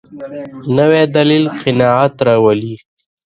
نوی دلیل قناعت راولي